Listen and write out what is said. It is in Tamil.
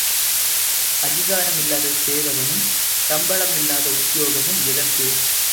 அதிகாரம் இல்லாத சேவகமும் சம்பளம் இல்லாத உத்தியோகமும் எதற்கு?